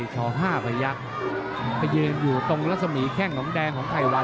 ชอบห้าเพยักเป็นเย็นอยู่ตรงลักษณ์หมี่แข้งห่อมแดงของไทยวัน